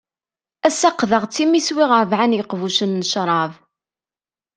Ass-a qqdeɣ-tt imi swiɣ rebɛa n yiqbucen n cṛab.